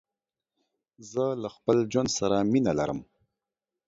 زه له خپل ژوند سره مينه لرم.